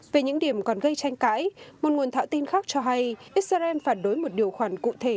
về những điểm còn gây tranh cãi một nguồn thạo tin khác cho hay israel phản đối một điều khoản cụ thể